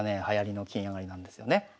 はやりの金上がりなんですよね。